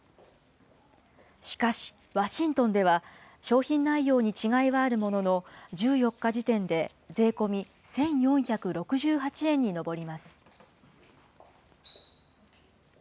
しかし、ワシントンでは商品内容に違いはあるものの、１４日時点で、税込み１４６８円に上ります。